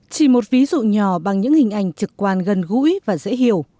chỉ một ví dụ nhỏ bằng những hình ảnh trực quan gần gũi và dễ hiểu